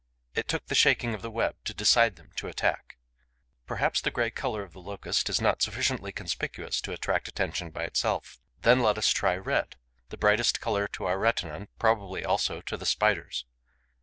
It took the shaking of the web to decide them to attack. Perhaps the grey colour of the Locust is not sufficiently conspicuous to attract attention by itself. Then let us try red, the brightest colour to our retina and probably also to the Spiders'.